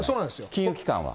金融機関は。